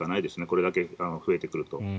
これだけ増えてくると。